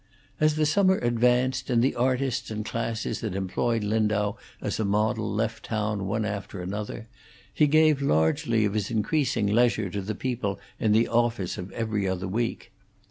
As the summer advanced, and the artists and classes that employed Lindau as a model left town one after another, he gave largely of his increasing leisure to the people in the office of 'Every Other Week.'